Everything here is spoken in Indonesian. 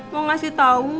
mau ngasih tahu